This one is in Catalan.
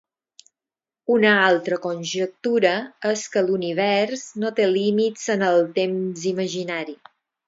Una altra conjectura és que l'univers no té límits en el temps imaginari.